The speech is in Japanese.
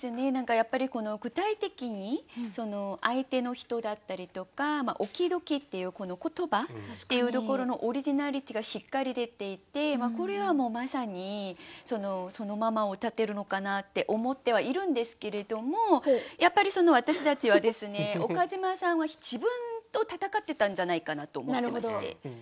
やっぱり具体的に相手の人だったりとか「Ｏｋｅｙ‐Ｄｏｋｅｙ」っていうこの言葉っていうところのオリジナリティーがしっかり出ていてこれはまさにそのままをうたっているのかなって思ってはいるんですけれどもやっぱりその私たちはですね岡島さんは自分と闘ってたんじゃないかなと思ってまして。